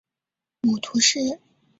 母屠氏。